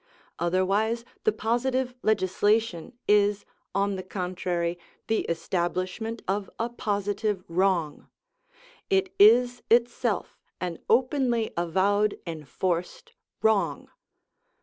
Otherwise the positive legislation is, on the contrary, the establishment of a positive wrong; it is itself an openly avowed enforced wrong.